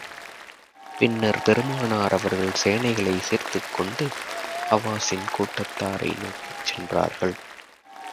பின்னர், பெருமானார் அவர்கள் சேனைகளைச் சேர்த்துக் கொண்டு ஹவாஸின் கூட்டத்தாரை நோக்கிச் சென்றார்கள்.